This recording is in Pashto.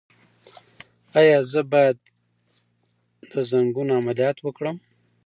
ایا زه باید د زنګون عملیات وکړم؟